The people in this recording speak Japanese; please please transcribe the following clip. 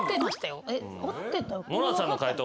ノラさんの解答